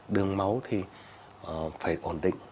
đường máu thì phải ổn định